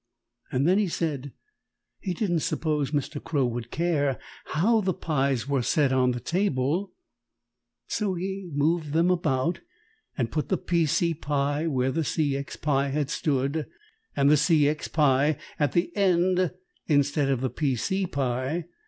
Then he said he didn't suppose Mr. Crow would care how the pies were set on the table, so he moved them about and put the P. C. pie where the C. X. pie had stood, and the C. X. pie at the end instead of the P. C. pie.